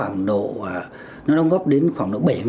nó đóng góp đến khoảng bảy mươi